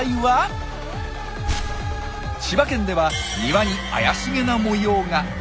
千葉県では庭に怪しげな模様が。